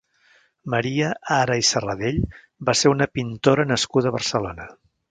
Maria Ara i Sarradell va ser una pintora nascuda a Barcelona.